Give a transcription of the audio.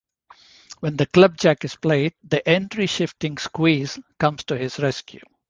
When the club jack is played, the entry-shifting squeeze comes to his rescue.